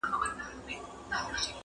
هوښيارانو دي راوړي دا نكلونه!!